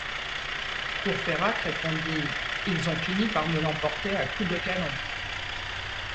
Courfeyrac répondit: — Ils ont fini par me l’emporter à coups de canon.